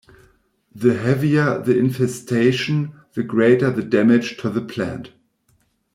The heavier the infestation, the greater the damage to the plant.